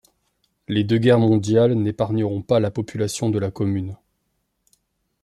Les deux guerres mondiales n'épargneront pas la population de la commune.